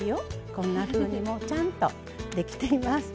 こんなふうにもうちゃんとできています。